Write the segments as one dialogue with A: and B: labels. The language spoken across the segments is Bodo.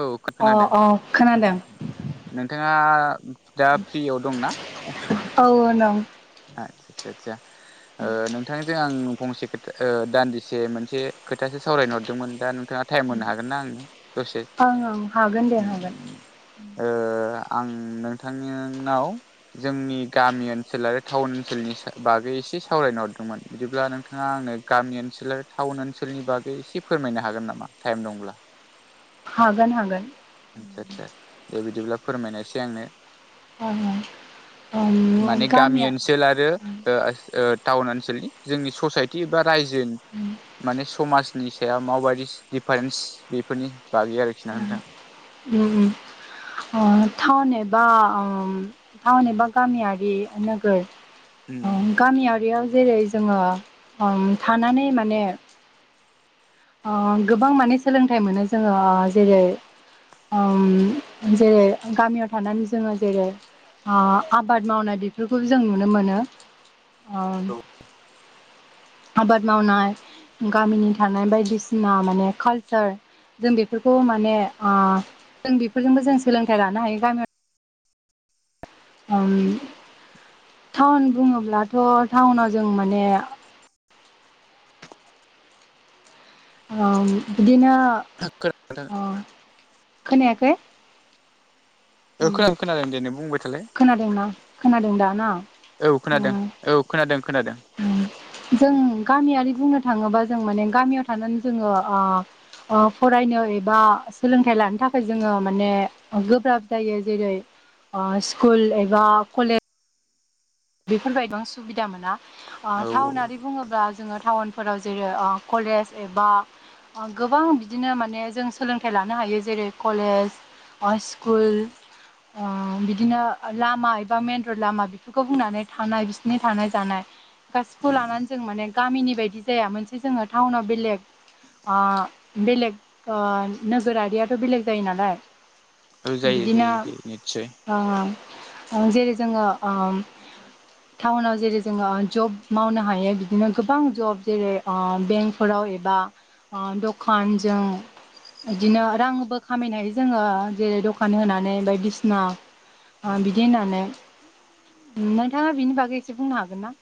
A: औ
B: अ
A: खोनादों
B: अ खोनादों
A: नोंथांङा दा फ्रियाव दंना?
B: औ
A: आतसा आसा आसा ओ नोंथांजों आं फंसे खोथा दान्दिसे मोनसे खोथासो सावरायनो हरदोंमोन दा नोंथांङा टाइम मोननो हागोनना आंनो दसे।
B: ओं ओं हागोन दे हागोन
A: आं नोंथांनिनाव जोंनि गामि ओनसोलारि टाउन ओनसोलनि स बागै एसे सावरायनो हरदोंमोन बिदिब्ला नोंथांङा आंनो गामि ओनसोल टाउन ओनसोलनि बागै एसे फोरमायनो हागोन नामा टाइम दंब्ला?
B: हागोन हागोन।
A: [unintelligible] दे बिदिब्ला फोरमायनायसै आंनो।
B: अ
A: माने गामि ओनसोल आरो टाउन ओनसोलनि जोंनि ससाइटि एबा रायजो
B: ओम
A: माने समाजनि सायाव माबायदि दिडिफारेन्स बेफोरनि बागै आरोखि। ना नोंथां
B: ओम थावन एबा ओम टाउन एबा गामियारि नोगोर गामियारियाव जेरै जोंङो थानानै माने ओ गोबां माने सोलोंथाइ मोनो जोंङो जेरै जेरै गामियाव थानानै जोंङो जेरै ओ आबाद मावनाय बेफोरखौबो जों नुनो मोनो ओ आबाद मावनाय गामिनि थानाय बायदिसिना माने कालसार जों बे फोरखौ माने जों बेफोरजोंबो जों सोलोंथाइ लानो हायो गामियाव ओम टाउन बुंङोब्लाथ टाउनाव जों माने ओम बिदिनो
A: [unintelligible]
B: ओ खोनायाखै?
A: औ खोनादों खोनादों दे नों बुंबाय थालाय
B: खोनादोंना खोनादों दा ना?
A: औ खोनादों। औ खोनादों खोनादों।
B: ओम जों गामियारि बुंनो थाङोबा जों माने गामियाव थानानै जोङो आ ओ फरायनो एबा सोलोंथाइ लानो थाखाय जोङो माने गोब्राब जायो जेरै ओ स्कुल एबा कलेज बेफोरबायदियाव आं सुबिदा मोना ओ
A: औ
B: टाउनारि बुङोब्ला जोङो टाउनफोराव जेरै ओ कलेज एबा गोबां बिदिनो माने जों सोलोंथाइ लानो हायो जेरै कलेज स्कुल ओ बिदिनो लामा एबा मेन रड लामा खौ बुंनानै थानाय बिसिनि थानाय जानाय। गासिखौबो लानानै जों माने गामिनि बायदि जाया मोनसे जोङो टाउनाव बेलेग बेलेग नोगोरारियाथ' बेलेग जायो नालाय।
A: औ जायो
B: बिदिनो
A: जायो जायो निस्सय
B: ओ जेरै जोङो ओ टाउनाव जेरै जोङो जब मावनो हायो बिदिनो गोबां जब जेरै ओ बेंकफोराव एबा आ दखानजों बिदिनो रांबो खामायनो हायो जोङो जेरै दखान होनानै बायदिसिना आ बिदि होननानै। नोंथाङा बिनि बागै एसे बुंनो हागोन ना।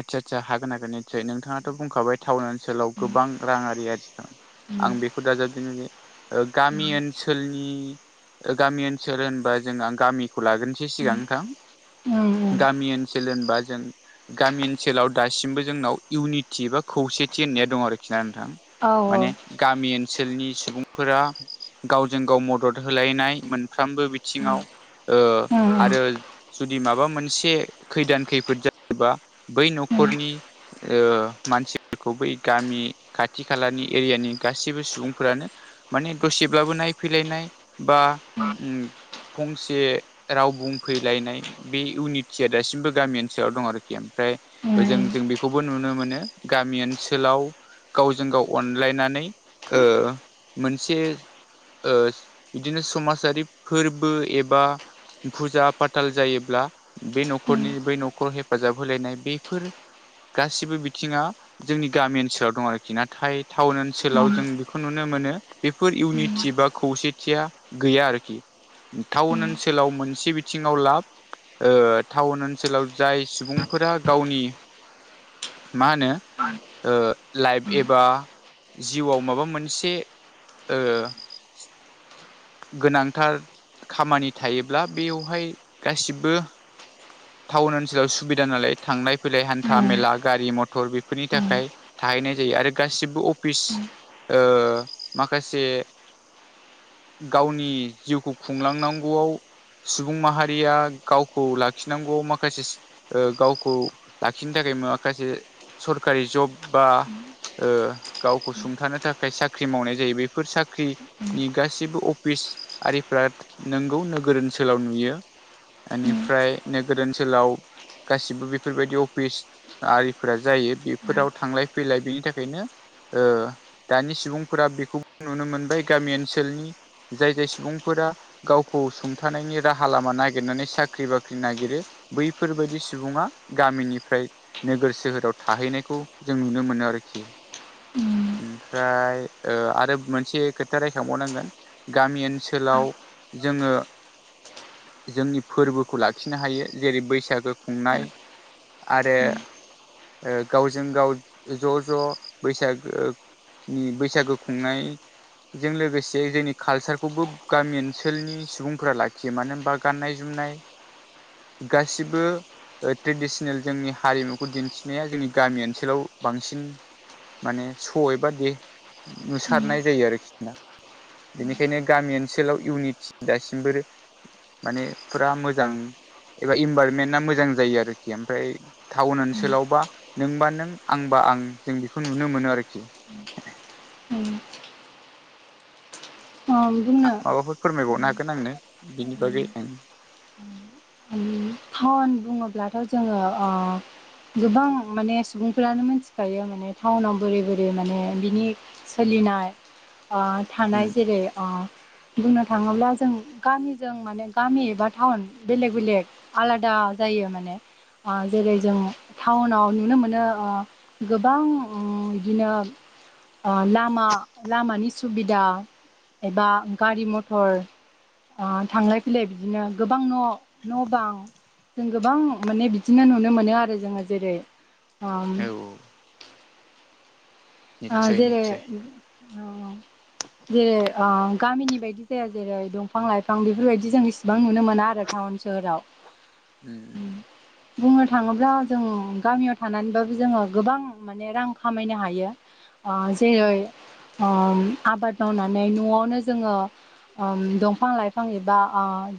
A: आदसा आदसा हागोन हागोन निसय नोंथाङाबो बुंखाबाय टाउन ओनसोलाव गोबां रांयारि आजि
B: उम
A: आं बेखौ दाजाबदों जे गामि ओन सोलनि गामि ओनसोल होनबा जों गामिखौ लाग्रोसै सिगां नोंथां।
B: उम
A: गामि ओनसोल होनबा जों गामि ओनसोलाव दासिमबो जोंनाव इउनिटि एबा खौसेथि होननाया दं आरखि ना नोंथां।
B: औ
A: माने गामि ओनसोलनि सुबुंफोरा गावजों गाव मदद होलायनाय मोन फ्रामबो
B: उम
A: बिथिङाव ओ
B: उम
A: आरो जुदि माबा मोनसे खैदान खैफोद जायोबा बै
B: उम
A: न'खरनि ओ मानसिखौ बै गामि खाथि खालानि एरियानि गासैबो सुबुंफोरानो माने दसेब्लाबो नायफैलायनाय बा उम फंसे राव बुंफैलायनाय बे इउनिटिया दासिमबो गामि ओनसोलाव दं आरोखि। ओमफ्राय ओजों जों बेखौबो नुनो मोनो गामि ओनसोलाव गावजों गाव अनलायनानै ओ मोनसे ओ बिदिनो समाजारि फोरबो एबा फुजा फाथाल जायोब्ला बे न'खरनि बेै न'खराव हेफाजाब होलायनाय बेफोर गासिबो बिथिङा जोंनि गामि ओनसोलाव दं आरोखि नाथाय टाउन ओनसोलाव
B: उम
A: जों बेखौ नुनो मोनो। बेफोर इउनिटि बा खौसेथिया गैया आरोखि। टाउन ओनसोलाव मोनसे बिथिङाव लाब ओ टाउन ओनसोलाव जाय सुबुंफोरा गावनि मा होनो
B: [unintelligible]
A: ओ लाइफ एबा जिउआव माबा मोनसे ओ गोनांथार। खामानि थायोब्ला बेयावहाय गासिबो टाउन ओनसोलाव सुबि दा नालाय थांलाय फैलाय हान्था मेला गारि मथर बेफोरनि
B: उम
A: थाखाय थाहैनाय जायो आरो गासिबो अफिस ओ माखासे गावनि जिउखौ खुंलांनांगौआव। सुबुं माहारिया गावखौ लाखिनांगौ माखासे गावखौ लाखिनो थाखाय माखासे सरकारि जब बा गावखौ सुंथानो थाखाय साख्रि मावनाय जायो बेफोर साख्रि साख्रिनि गासिबो अफिस आरिफोरा नोंगौ नोगोर ओनसोलाव नुयो। बेनिफ्राय नोगोर ओनसोलाव गासिबो बेफोरबायदि अफिस आरिफोरा जायो बेफोराव थांलाय फैलाय बेनि थाखायनो ओ दानि सुबुंफोरा बेखौबो नुनो मोनबाय गामि ओनसोलनि जाय जाय सुबुंफोरा गावखौ सुंथानायनि राहा लामा नागिरनानै साख्रि बाख्रि नागिरो बैफोरबायदि। सुबुङा गामिनिफ्राय नोगोर सोहोराव थाहैनायखौ जों नुनो मोनो आरोखि ओमफ्राय ओ आरो मोनसे खोथा रायखांबावनांगोन गामि ओनसो सोलाव जोङो जोंनि फोरबोखौ लाखिनो हायो जेरै बैसागो खुंनाय। आरो गावजों गाव ज' ज' बैसागो। ओम बैसागु खुंनाय। जों लोगोसे जोंनि कालसारखौबो गामि ओनसोलनि सुबुंफोरा लाखियो मानो होनबा गाननाय- जोमनाय, गासिबो ट्रेडिसनेल जोंनि हारिमुखौ दिन्थिनाया जोंनि गामि ओनसोलाव बांसिन माने सयै एबादि नुसारनाय जायो आरोखि बेनिखायनो गामि ओनसोलाव इउनिटि दासिमबो माने फोरा मोजां एबा इनभाररमेन्टा मोजां। जायो आरोखि ओमफ्राय टाउन ओनसोलावबा नोंबा नों आंबा आं जों बेखौ नुनो मोनो आरोखि
B: उम। उम
A: आ
B: बुंनो
A: माबाफोर फोरमायबावनो हागोन आंनो बिनि बागै ओं
B: [inaudible] [unintelligible] बुङोब्लाथ' जोङो गोबां माने सुबुंफ्रानो मिथिखायो माने टाउनाव बोरै बोरै माने बिनि सोलिनाय थानाय जेरै- बुंनो थाङोब्ला जों गामिजों माने गामि एबा टाउन बेलेग बेलेग आलादा जायो माने जेरै जों टाउनाव नुनो मोनो गोबां इदिनो लामा लामानि सुबिदा एबा गारि मथर थांलाय फैलाय बिदिनो गोबां न' न' बां जों गोबां माने बिदिनो नुनो मोनो आरो जोङो जेरै
A: औ औ
B: आ
A: निस्सय
B: देे
A: निस्सय
B: आ जेरै आ गामिनि बायदि जाया जेरै दंफां लाइफां बेफोरबायदि जों इसिबां नुनो मोना आरो। टाउन
A: उम
B: सोहोराव बुंनो थाङोब्ला जों गामियाव थानानैबाबो जोङो गोबां माने रां खामायनो हायो। अ जेरै आबाद मावनानै न'आवनो जोङो ओम दंफां लाइफां एबा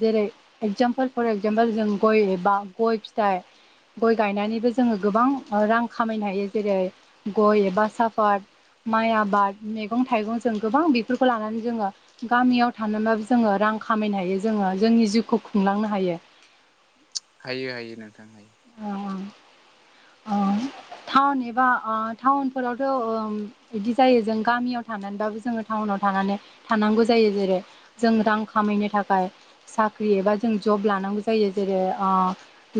B: जेरै एगजामपोल फर एगजामपोल जों गय एबा गय फिथाइ गय गायनानैबो जोङो गोबां रां खामायनो हायो जेरै गय एबा साफ फाद माइ आबाद मैगं थाइगं जों गोबां बेफोरखौ लानानै जोङो गामियाव थानानोबाबो जोङो रां खामायनो हायो जोङो जोंनि जिउखौ खुंलांनो हायो।
A: हायो हायो नोंथां हायो।
B: ओ औ टाउन एबा टाउनफोरावथ' ओम इदि जायो जों गामियाव थानानैबाबो जोङो टाउनाव थानानै थानांगौ जायो। जेरै- जों रां खामायनो थाखाय। साख्रि एबा जों जब लानांगौ जायो। जेरै- आ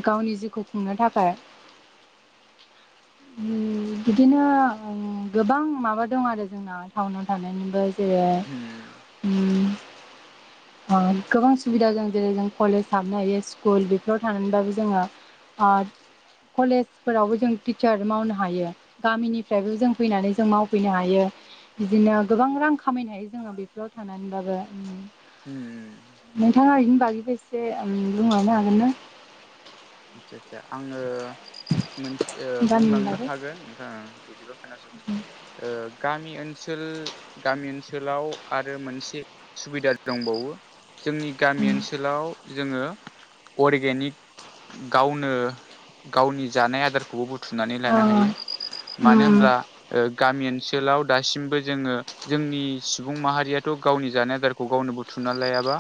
B: गावनि जिउखौ खुंनो थाखाय। बिदिनो गोबां माबा दं आरो। जोंना टाउनाव थानायनिबो ए
A: उम
B: ओम। गोबां सुबिदा जों जेरै जों कलेज हाबनो हायो। स्कुल बेफोराव थानानैबाबो जोङो आ कलेजफोरावबो जों टिचार मावनो हायो। गामिनिफ्रायबो जों फैनानै जों मावफैनो हायो। बिदिनो गोबां रां खामायनो हायो जोङो बेफोराव थांनानैबाबो।
A: उम।
B: नोंथाङा बेनि बागैबो एसें बुंहरनो हागोनना?
A: आदसा आदसा आङो मोनसे
B: गामिनि
A: बुंलांनो
B: बागै
A: हागोन। नोंथाङा बिदिबा खोनासं। गामि ओनसोल गामि ओनसोलाव आरो मोनसे सुबिदा दंबावो। जोंनि गामि ओनसोलाव जोङो अरगेनिक गावनो गावनि जानाय आदारखौबो बुथुम बुथुनानै लानो हायो। मानो होनब्ला गामि ओनसोलाव दासिमबो जोङो जोंनि सुबुं माहारियाथ गावनि जानाय आदारखौ गावनो बुथुमना लायाबा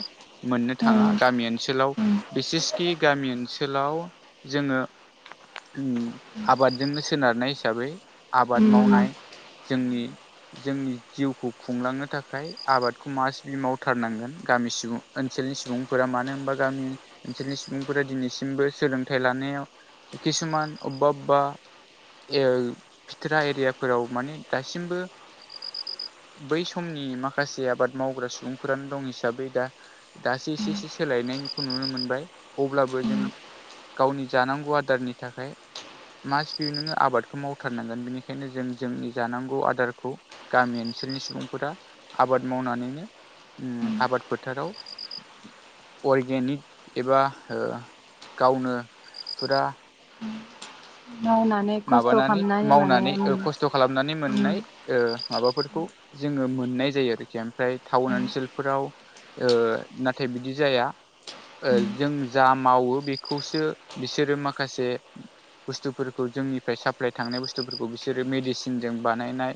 A: मोननो थाङा। गामि ओनसोलाव बिसेसखि गामि ओनसोल ओनसोलाव जोङो आबादजोंनो सोनारनाय हिसाबै आबाद मावनाय जोंनि जोंनि जिउखौ खुंलांनो थाखाय आबादखौ मासबि मावथारनांगोन। गामि सुबुं ओनसोलनि सुबुंफोरा मानो होनबा गामि ओनसोलनि सुबुंफोरा दिनै सिमबो सोलोंथाइ लानायाव किसुमान अबेबा अबेबा ओ फिथोरा एरियाफोराव माने दासिमबो बै समनि माखासे आबाद मावग्रा सुबुंफोरानो दं हिसाबै, दा दासो एसे एसे सोलायनायखौ नुनो मोनबाय। अब्लाबो जों गावनि जानांगौ आदारनि थाखाय मासबि नोङो आबादखौ मावथारनांगोन। बेनिखायनो जों जोंनि जानांगौ आदारखौ गामि ओनसोलनि सुबुंफोरा आबाद मावनानैनो आबाद फोथाराव अरगेनिक एबा गावनो फुरा
B: मावनानै खस्थ'
A: माबानानै
B: खालामनानै
A: मावनानै
B: माने
A: खस्थ खालामनानै मोननाय माबाफोरखौ जोङो मोननाय जायो आरोखि। ओमफ्राय टाउन ओनसोलफोराव ओ नाथाय बिदि जाया। जों जा मावो बेखौसो बिसोरो माखासे बुस्थुफोरखौ खौ जोंनिफ्राय साप्लाइ थांनाय बुस्थुफोरखौ बिसोरो मेडिसिनजों बानायनाय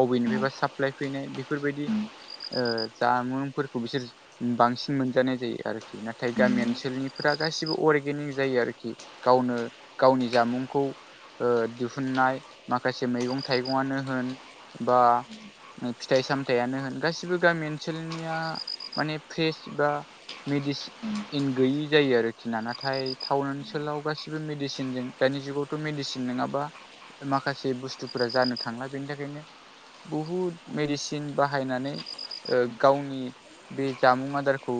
A: अबेनिफ्रायबा साप्लाइ फैनाय। बेफोरबायदि जामुंफोरखौ बिसोर बांसिन मोनजानाय जायो आरोखि नाथाय गामि ओनसोलनिफोरा गासिबो अरगेनिक जायो आरोखि। गावनो गावनि जामुंखौ दिहुननाय माखासे मैगं थाइगङानो होन बा फिथाइ सामथाइयानो होन। गासिबो गामि ओनसोलनिया माने फ्रेस बा मेडिसिन गैयि जायो आरोखि ना। नाथाय टाउन ओनसोलाव गासिबो मेडिसिनजों दानि जुगाव मेडिसिन नङाबा माखासे बुस्थुफोरा जानो थांला। बेनि थाखायनो बुहुद मेडिसिन बाहायनानै गावनि बे जामुं आदारखौ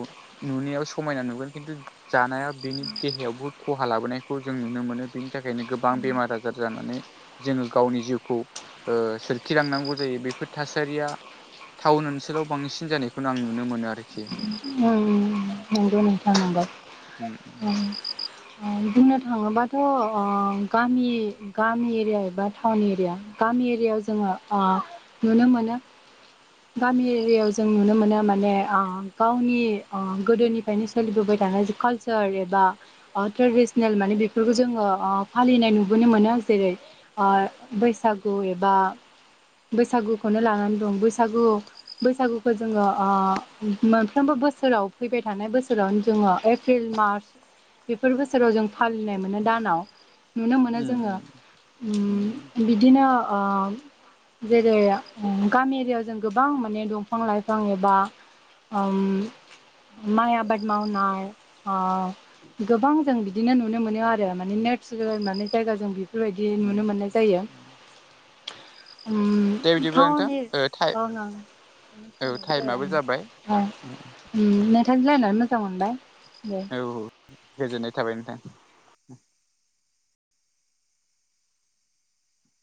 A: नुनायाव समायना नुगोन खिन्थु जानायाव बिनि देहायावबो खहा लाबोनायखौ जों नुनो मोनो बेनि थाखायनो गोबां गोबां बेमार आजार जानानै जोङो गावनि जिउखौ ओ सोरखिलांनांगौ जायो बेफोर थासारिया टाउन ओनसोलाव बांसिन जानायखौनो आं नुनो मोनो आरोखि
B: उम नंगौ नोंथां नंगौ
A: उम
B: बुंनो थाङोबाथ'ओं गामि गामि एरिया एबा टाउन एरिया गामि एरियाआव जोङो ओ नुनो मोनो गामि एरियाआव जों नुनो मोनो माने ओ गाव आंनि ओ गोदोनिफ्रायनो सोलिबोबाय थानाय जा कालसार एबा ओ ट्रेडिसनेल माने बेफोरखौ जोङो ओ फालिनाय नुबोनो मोनो जेरै ओ बैसागु एबा बैसागुखौनो लानानै दं बैसागु बैसागुखौ जोङो ओ मो मोनफ्रोमबो बोसोराव फैबाय थानाय बोसोरावनो जोङो एप्रिल मार्च बेफोर बोसोराव जों फालिनाय मोनो दानाव नुनो मोनो
A: उम
B: जोङो
A: उम
B: उम बिदिनो ओं जेरै उम गामि एरियाव जों गोबां माने दंफां लाइफां एबा आओम माइ आबाद मावनाय गोबां जों बिदिनो नुनो मोनो आरो माने नेचारोल माने जायगा जों बेफोरबायदि
A: उम
B: नुनो मोननाय जायो
A: उम दे
B: उम
A: बिदिब्ला नोंथां
B: टाउनि
A: ओ टाइ औ टाइमाबो
B: [unintelligible]
A: जाबाय औ
B: उम नोंथांजों रालायनानै मोजां मोनबाय दे
A: औ औ गोजोननाय थाबाय नोंथां